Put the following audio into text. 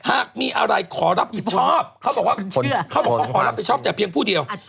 หากมีอะไรขอรับผิดชอบเขาบอกว่าขอรับผิดชอบแต่เพียงผู้เดียว